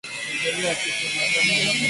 Bibilia ni kisu kya makali ngambo mbili